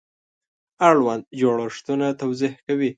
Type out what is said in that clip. اړوند جوړښتونه توضیح کوي.